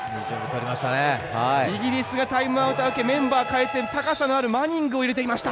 イギリスがタイムアウト明けメンバーを代えた高さのあるマニングを入れていました。